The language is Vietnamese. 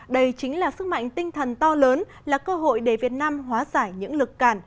đây chính là sức mạnh tinh thần to lớn là cơ hội để việt nam hóa giải những lực cản